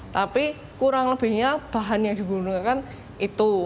tapi kurang lebihnya bahan yang digunakan itu